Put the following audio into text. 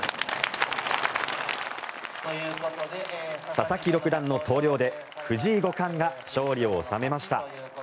佐々木六段の投了で藤井五冠が勝利を収めました。